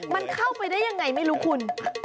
มันเข้าไปได้ยังไงไม่รู้คุณ